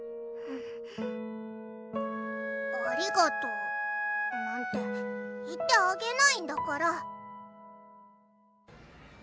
ありがとうなんて言ってあげないんだから。